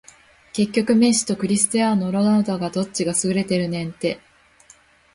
結局メッシとクリスティアーノ・ロナウドどっちが優れてるねんて